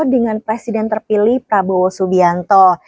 dengan presiden terpilih prabowo subianto